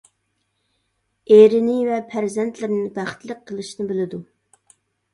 ئېرىنى ۋە پەرزەنتلىرىنى بەختلىك قىلىشنى بىلىدۇ.